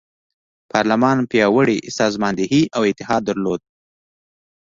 پارلمان پیاوړې سازماندهي او اتحاد درلود.